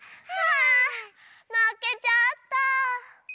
あまけちゃった。